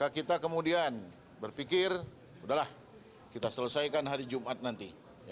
kita kemudian berpikir udahlah kita selesaikan hari jumat nanti